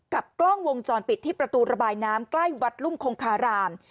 กล้องวงจรปิดที่ประตูระบายน้ำใกล้วัดรุ่มคงคาราม